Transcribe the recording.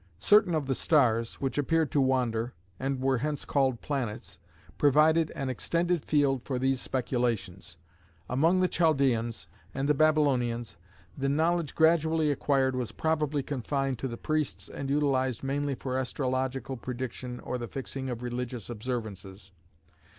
Certain of the stars, which appeared to wander, and were hence called planets, provided an extended field for these speculations. Among the Chaldaeans and Babylonians the knowledge gradually acquired was probably confined to the priests and utilised mainly for astrological prediction or the fixing of religious observances.